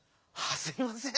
すいません。